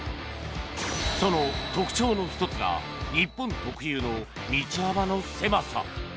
その特徴の１つが日本特有の道幅の狭さ。